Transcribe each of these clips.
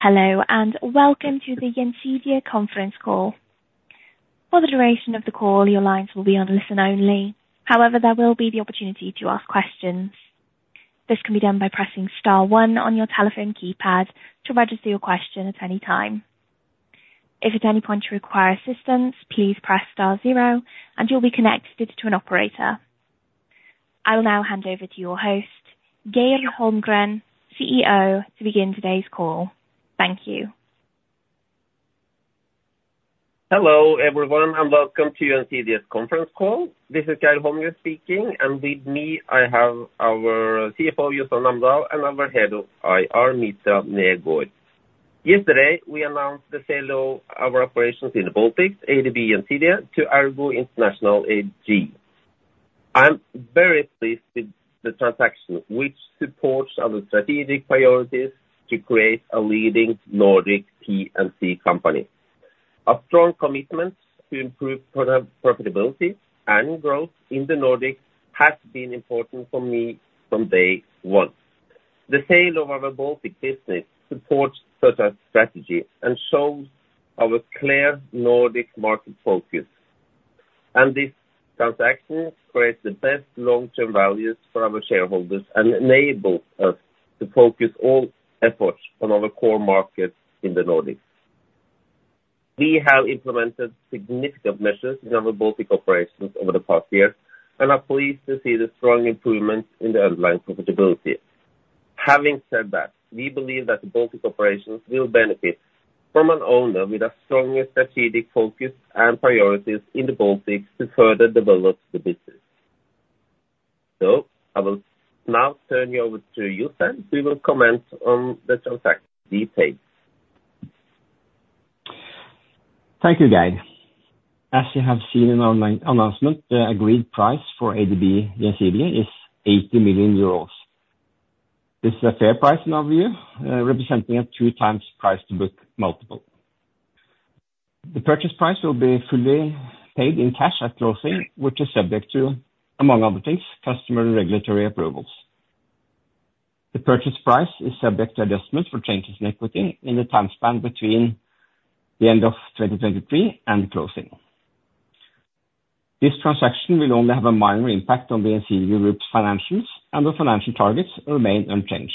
Hello, and welcome to the Gjensidige conference call. For the duration of the call, your lines will be on listen only. However, there will be the opportunity to ask questions. This can be done by pressing star one on your telephone keypad to register your question at any time. If at any point you require assistance, please press star zero, and you'll be connected to an operator. I will now hand over to your host, Geir Holmgren, CEO, to begin today's call. Thank you. Hello, everyone, and welcome to Gjensidige conference call. This is Geir Holmgren speaking, and with me I have our CFO, Jostein Amdal, and our Head of IR, Mitra Hagen Negård. Yesterday, we announced the sale of our operations in the Baltics, ADB Gjensidige, to Ergo International AG. I'm very pleased with the transaction, which supports our strategic priorities to create a leading Nordic P&C company. Our strong commitment to improve profitability and growth in the Nordics has been important for me from day one. The sale of our Baltic business supports such a strategy and shows our clear Nordic market focus. And this transaction creates the best long-term values for our shareholders and enables us to focus all efforts on our core market in the Nordics. We have implemented significant measures in our Baltic operations over the past year, and I'm pleased to see the strong improvement in the underlying profitability. Having said that, we believe that the Baltic operations will benefit from an owner with a stronger strategic focus and priorities in the Baltics to further develop the business. So I will now turn you over to Jostein, who will comment on the transaction details. Thank you, Geir. As you have seen in our announcement, the agreed price for ADB Gjensidige is 80 million euros. This is a fair price in our view, representing a 2x price-to-book multiple. The purchase price will be fully paid in cash at closing, which is subject to, among other things, customer and regulatory approvals. The purchase price is subject to adjustments for changes in equity in the time span between the end of 2023 and closing. This transaction will only have a minor impact on the Gjensidige Group's financials, and the financial targets remain unchanged.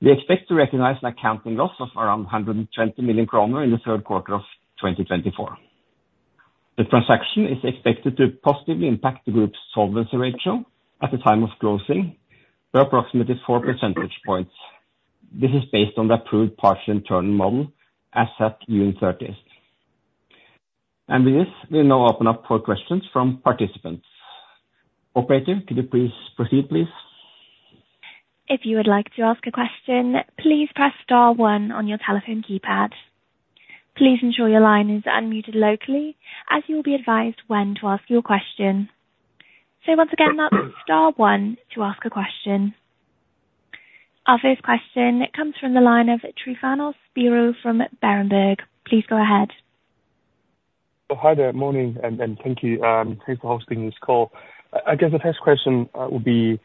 We expect to recognize an accounting loss of around 120 million kroner in the third quarter of 2024. The transaction is expected to positively impact the group's solvency ratio at the time of closing by approximately 4 percentage points. This is based on the approved partial internal model as set June 30th. With this, we now open up for questions from participants. Operator, could you please proceed, please? If you would like to ask a question, please press star one on your telephone keypad. Please ensure your line is unmuted locally, as you will be advised when to ask your question. So once again, that's star one to ask a question. Our first question comes from the line of Tryfonas Spyrou from Berenberg. Please go ahead. Hi there. Morning, and thank you. Thanks for hosting this call. I guess the first question would be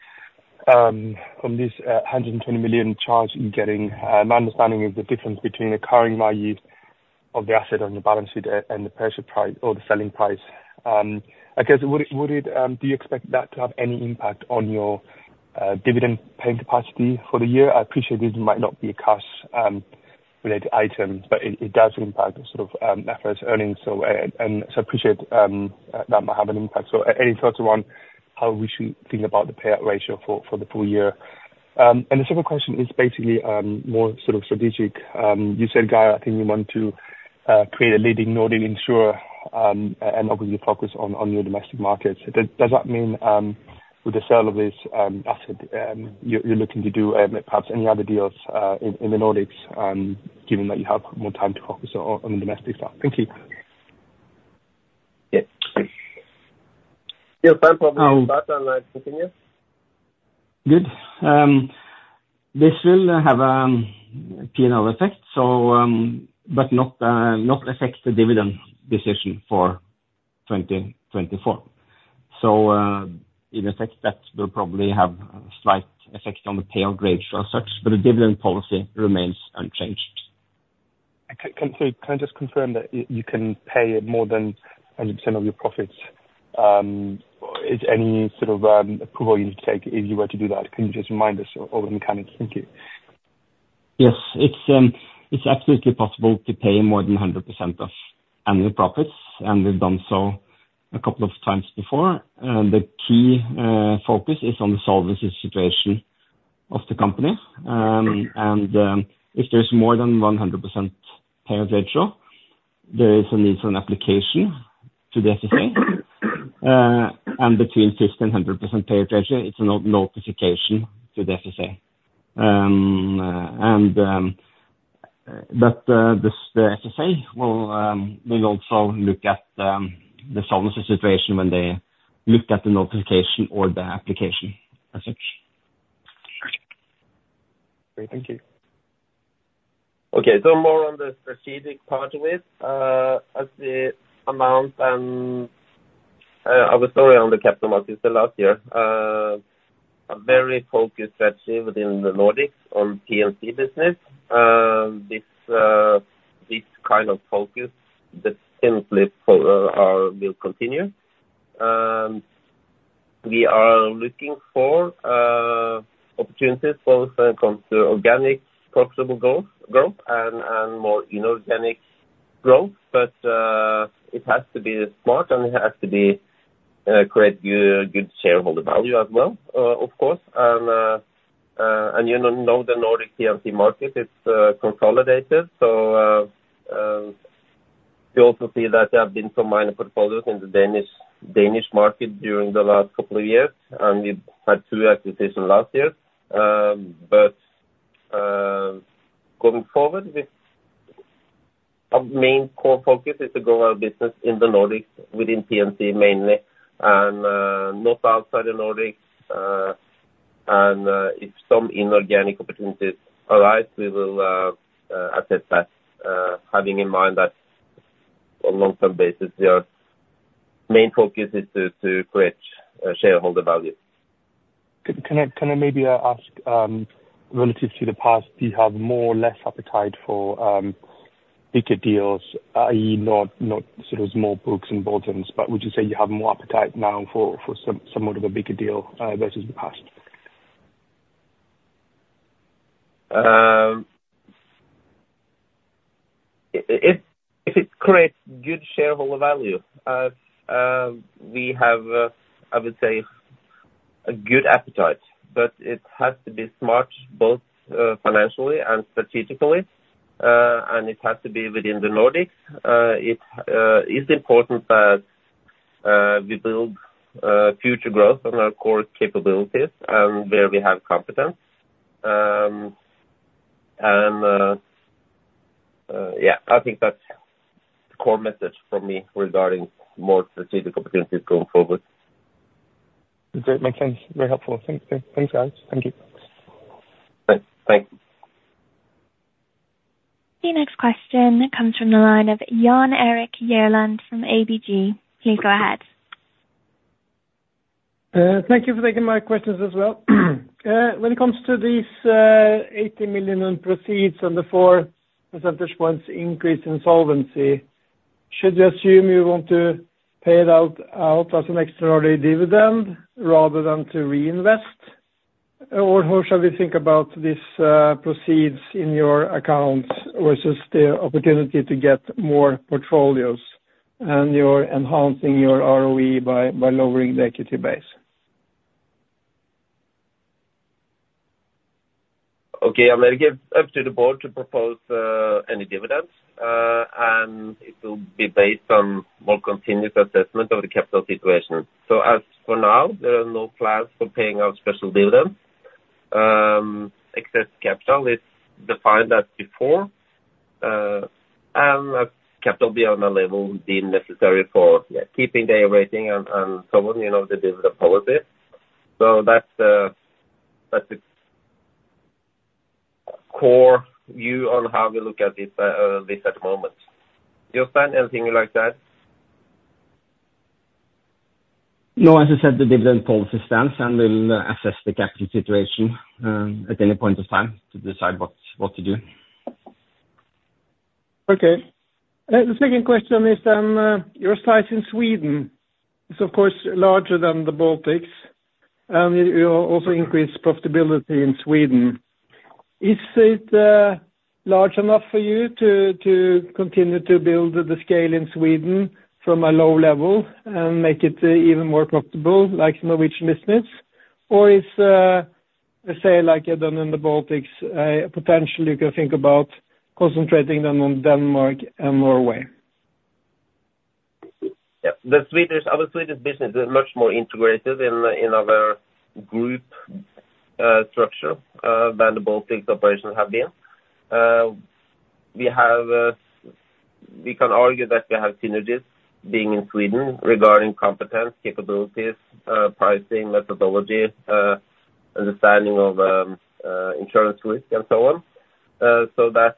from this 120 million charge you're getting. My understanding is the difference between the current value of the asset on your balance sheet and the purchase price or the selling price. I guess, do you expect that to have any impact on your dividend paying capacity for the year? I appreciate this might not be a cash-related item, but it does impact sort of FS earnings, and so I appreciate that might have an impact. So any thoughts around how we should think about the payout ratio for the full year? And the second question is basically more sort of strategic. You said, Geir, I think you want to create a leading Nordic insurer and obviously focus on your domestic markets. Does that mean with the sale of this asset, you're looking to do perhaps any other deals in the Nordics, given that you have more time to focus on the domestic stuff? Thank you. Yes. Yes, I'm probably starting to continue. Good. This will have a P&L effect, but not affect the dividend decision for 2024. So in effect, that will probably have a slight effect on the payout ratio as such, but the dividend policy remains unchanged. Can I just confirm that you can pay more than 100% of your profits? Is there any sort of approval you need to take if you were to do that? Can you just remind us of the mechanics? Thank you. Yes, it's absolutely possible to pay more than 100% of annual profits, and we've done so a couple of times before. The key focus is on the solvency situation of the company. If there's more than 100% payout ratio, there is a need for an application to the FSA. Between 50% and 100% payout ratio, it's a notification to the FSA. The FSA will also look at the solvency situation when they look at the notification or the application as such. Great. Thank you. Okay. So more on the strategic part of it. As announced and our story on the capital markets the last year, a very focused strategy within the Nordics on P&C business. This kind of focus, this simply will continue. We are looking for opportunities both when it comes to organic profitable growth and more inorganic growth, but it has to be smart, and it has to create good shareholder value as well, of course. And you know the Nordic P&C market, it's consolidated. So we also see that there have been some minor portfolios in the Danish market during the last couple of years, and we've had 2 acquisitions last year. But going forward, our main core focus is to grow our business in the Nordics within P&C mainly, and not outside the Nordics. If some inorganic opportunities arise, we will assess that, having in mind that on a long-term basis, our main focus is to create shareholder value. Can I maybe ask relative to the past, do you have more or less appetite for bigger deals, i.e., not sort of small books and bolt-ons? But would you say you have more appetite now for some sort of a bigger deal versus the past? If it creates good shareholder value, we have, I would say, a good appetite, but it has to be smart both financially and strategically, and it has to be within the Nordics. It is important that we build future growth on our core capabilities and where we have competence. And yeah, I think that's the core message from me regarding more strategic opportunities going forward. That makes sense. Very helpful. Thanks, guys. Thank you. Thanks. Thanks. The next question comes from the line of Jan Erik Gjerland from ABG. Please go ahead. Thank you for taking my questions as well. When it comes to these 80 million proceeds and the 4 percentage points increase in solvency, should we assume you want to pay it out as an extraordinary dividend rather than to reinvest? Or how should we think about these proceeds in your accounts versus the opportunity to get more portfolios and enhancing your ROE by lowering the equity base? Okay. I'm going to give up to the board to propose any dividends, and it will be based on more continuous assessment of the capital situation. So as for now, there are no plans for paying out special dividends. Excess capital is defined as before, and capital beyond that level would be necessary for keeping the rating and so on, the dividend policy. So that's the core view on how we look at this at the moment. Jostein, anything you'd like to add? No, as I said, the dividend policy stands, and we'll assess the capital situation at any point of time to decide what to do. Okay. The second question is, your size in Sweden is, of course, larger than the Baltics, and you also increased profitability in Sweden. Is it large enough for you to continue to build the scale in Sweden from a low level and make it even more profitable, like Norwegian business? Or is, say, like you've done in the Baltics, potentially you can think about concentrating them on Denmark and Norway? Yep. The Swedish business is much more integrated in our group structure than the Baltics operations have been. We can argue that we have synergies being in Sweden regarding competence, capabilities, pricing, methodology, understanding of insurance risk, and so on. So that's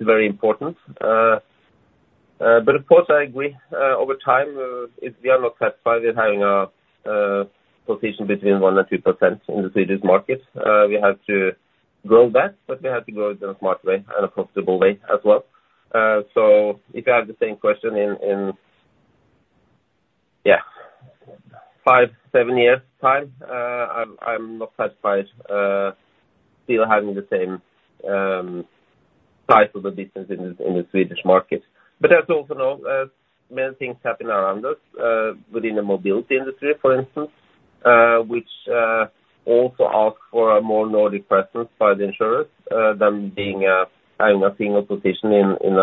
very important. But of course, I agree. Over time, if we are not satisfied with having a position between 1%-2% in the Swedish market, we have to grow that, but we have to grow it in a smart way and a profitable way as well. So if you have the same question in, yeah, 5-7 years' time, I'm not satisfied still having the same size of the business in the Swedish market. But as you also know, many things happen around us within the mobility industry, for instance, which also ask for a more Nordic presence by the insurers than having a single position in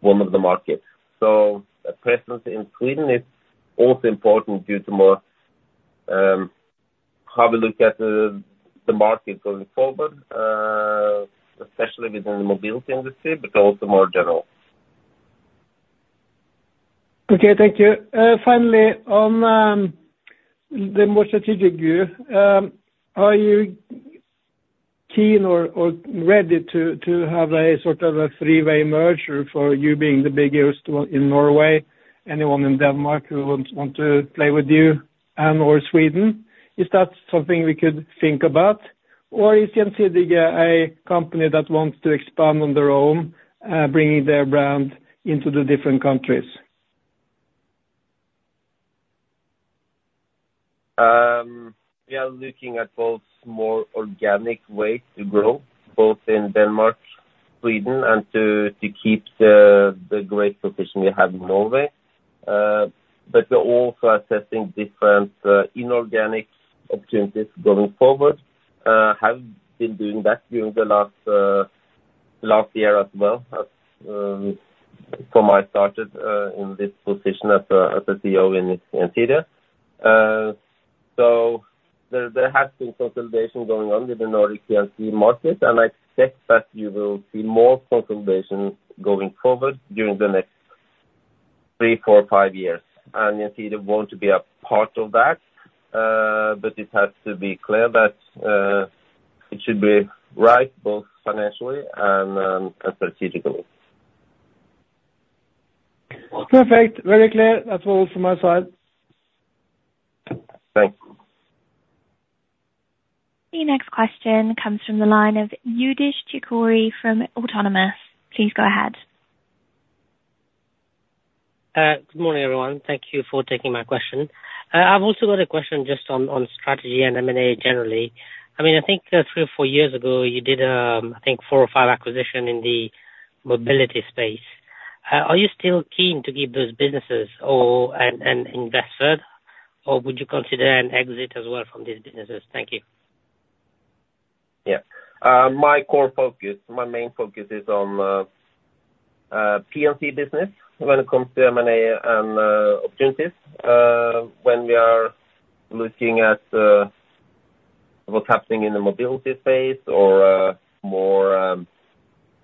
one of the markets. So a presence in Sweden is also important due to how we look at the market going forward, especially within the mobility industry, but also more general. Okay. Thank you. Finally, on the more strategic view, are you keen or ready to have a sort of a three-way merger for you being the biggest in Norway? Anyone in Denmark who wants to play with you and/or Sweden? Is that something we could think about? Or is Gjensidige a company that wants to expand on their own, bringing their brand into the different countries? We are looking at both more organic ways to grow, both in Denmark, Sweden, and to keep the great position we have in Norway. But we're also assessing different inorganic opportunities going forward. I have been doing that during the last year as well from when I started in this position as a CEO in Gjensidige. So there has been consolidation going on with the Nordic P&C market, and I expect that we will see more consolidation going forward during the next three, four, five years. Gjensidige wants to be a part of that, but it has to be clear that it should be right both financially and strategically. Perfect. Very clear. That's all from my side. Thanks. The next question comes from the line of Youdish Chicooree from Autonomous. Please go ahead. Good morning, everyone. Thank you for taking my question. I've also got a question just on strategy and M&A generally. I mean, I think three or four years ago, you did, I think, four or five acquisitions in the mobility space. Are you still keen to keep those businesses and invest further, or would you consider an exit as well from these businesses? Thank you. Yeah. My core focus, my main focus is on P&C business when it comes to M&A and opportunities. When we are looking at what's happening in the mobility space or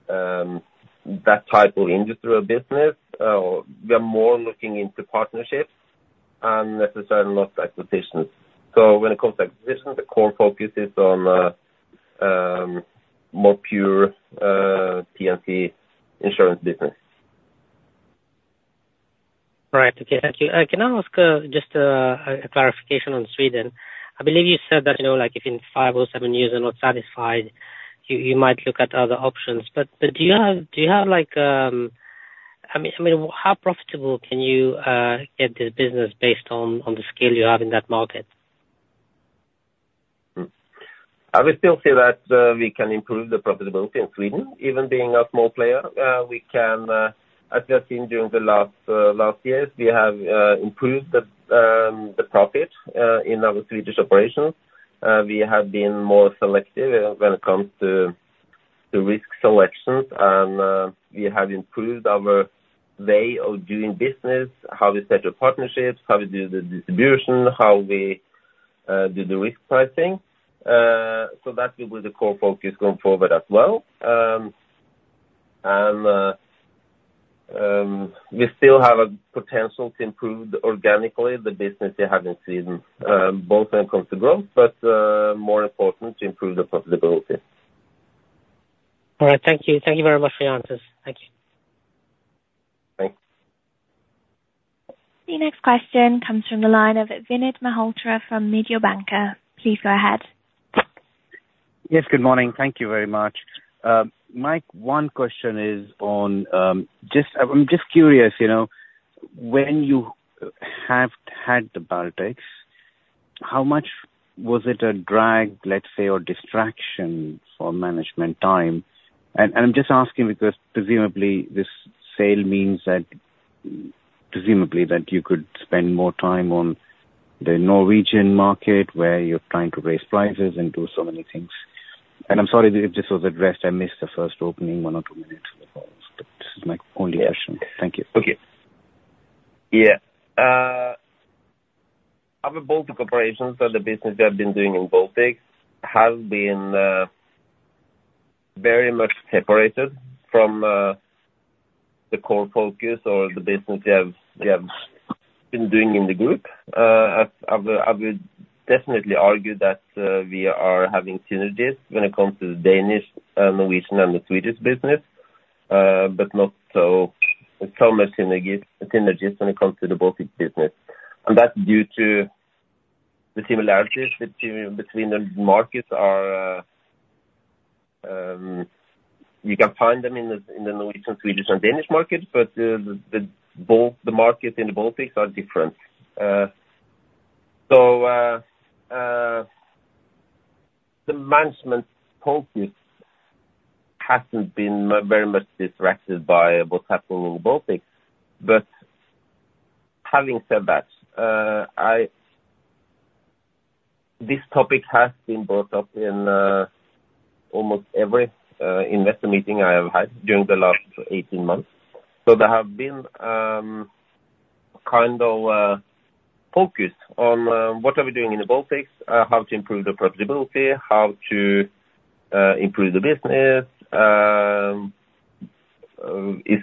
that type of industrial business, we are more looking into partnerships and necessarily not acquisitions. So when it comes to acquisitions, the core focus is on more pure P&C insurance business. Right. Okay. Thank you. Can I ask just a clarification on Sweden? I believe you said that if in five or seven years you're not satisfied, you might look at other options. But do you have—I mean, how profitable can you get this business based on the scale you have in that market? I would still say that we can improve the profitability in Sweden, even being a small player. We can assess during the last years. We have improved the profit in our Swedish operations. We have been more selective when it comes to risk selections, and we have improved our way of doing business, how we set up partnerships, how we do the distribution, how we do the risk pricing. So that will be the core focus going forward as well. We still have a potential to improve organically the business we have in Sweden, both when it comes to growth, but more importantly, to improve the profitability. All right. Thank you. Thank you very much for your answers. Thank you. Thanks. The next question comes from the line of Vinit Malhotra from Mediobanca. Please go ahead. Yes. Good morning. Thank you very much. My, one question is on, I'm just curious. When you have had the Baltics, how much was it a drag, let's say, or distraction for management time? And I'm just asking because presumably this sale means that you could spend more time on the Norwegian market where you're trying to raise prices and do so many things. And I'm sorry if this was addressed. I missed the first opening one or two minutes of the call, but this is my only question. Thank you. Okay. Yeah. Our Baltic operations and the business we have been doing in Baltics have been very much separated from the core focus or the business we have been doing in the group. I would definitely argue that we are having synergies when it comes to the Danish, Norwegian, and the Swedish business, but not so much synergies when it comes to the Baltic business. That's due to the similarities between the markets. You can find them in the Norwegian, Swedish, and Danish markets, but both the markets in the Baltics are different. The management focus hasn't been very much distracted by what's happening in the Baltics. Having said that, this topic has been brought up in almost every investor meeting I have had during the last 18 months. There have been kind of focus on what are we doing in the Baltics, how to improve the profitability, how to improve the business,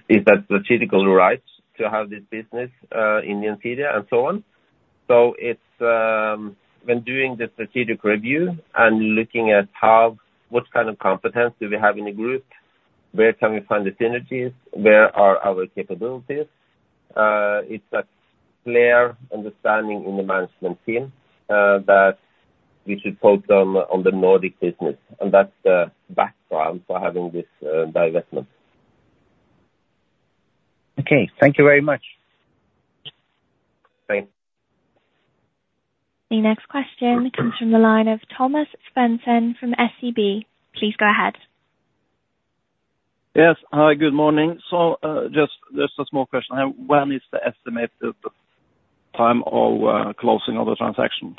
is that strategically right to have this business in Gjensidige, and so on. When doing the strategic review and looking at what kind of competence do we have in the group, where can we find the synergies, where are our capabilities, it's that clear understanding in the management team that we should focus on the Nordic business. That's the background for having this divestment. Okay. Thank you very much. Thanks. The next question comes from the line of Thomas Svendsen from SEB. Please go ahead. Yes. Hi. Good morning. So just a small question. When is the estimated time of closing of the transaction?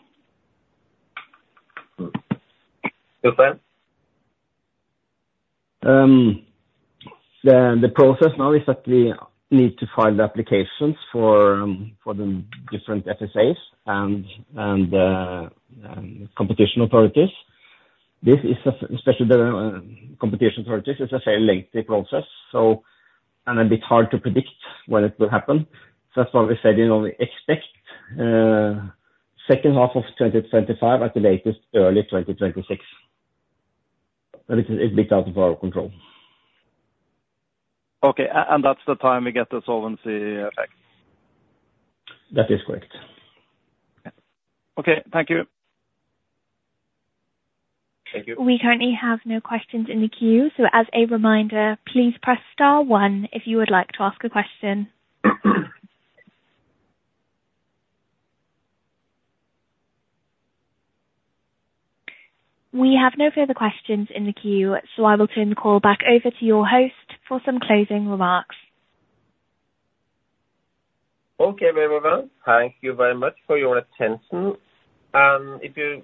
Jostein. The process now is that we need to file the applications for the different FSAs and competition authorities. This is especially the competition authorities is a fairly lengthy process, and a bit hard to predict when it will happen. So that's why we said we expect second half of 2025 at the latest, early 2026. But it's a bit out of our control. Okay. That's the time we get the solvency effect? That is correct. Okay. Thank you. Thank you. We currently have no questions in the queue. As a reminder, please press star one if you would like to ask a question. We have no further questions in the queue, so I will turn the call back over to your host for some closing remarks. Okay. Very well. Thank you very much for your attention. And if you,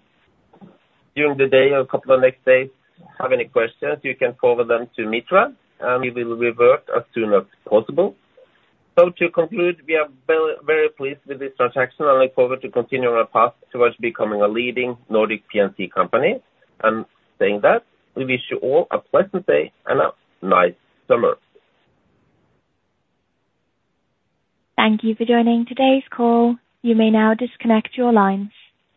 during the day or a couple of next days, have any questions, you can forward them to Mitra, and we will revert as soon as possible. So to conclude, we are very pleased with this transaction, and look forward to continuing our path towards becoming a leading Nordic P&C company. And saying that, we wish you all a pleasant day and a nice summer. Thank you for joining today's call. You may now disconnect your lines.